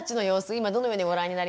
今どのようにご覧になりますか？